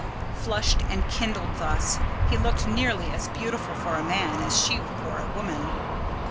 Flushed and kindled thus, he looked nearly as beautiful for a man as she for a woman.